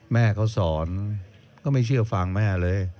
แม่เขาสอนก็ไม่เชื่อฟังแม่เลย